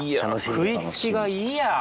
食い付きがいいや。